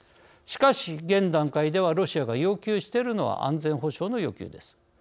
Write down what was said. しかし、現段階ではロシアが要求しているのは安全保障の要求です。